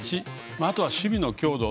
あとは守備の強度。